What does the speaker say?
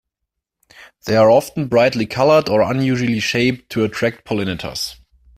They are often brightly colored or unusually shaped to attract pollinators.